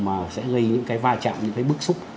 mà sẽ gây những cái va chạm những cái bức xúc